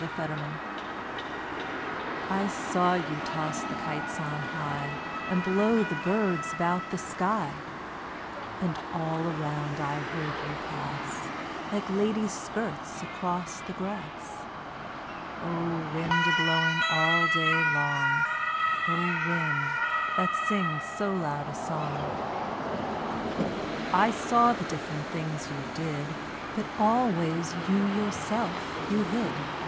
The Wind I SAW you toss the kites on highAnd blow the birds about the sky; And all around I heard you pass, Like ladies' skirts across the grass—O wind, a blowing all day long,O wind, that sings so loud a song!I saw the different things you did, But always you yourself you hid.